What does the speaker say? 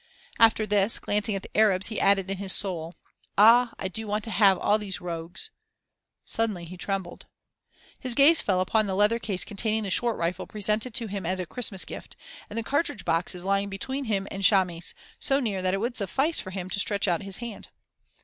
After this, glancing at the Arabs, he added in his soul: "Ah! I do want to have all these rogues " Suddenly he trembled. His gaze fell upon the leather case containing the short rifle presented to him as a Christmas gift, and the cartridge boxes lying between him and Chamis, so near that it would suffice for him to stretch out his hand.